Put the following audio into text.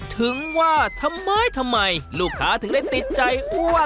ถึงว่าทำไมลูกค้าถึงได้ติดใจว่า